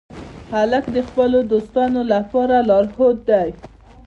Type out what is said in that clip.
هلک د خپلو دوستانو لپاره لارښود دی.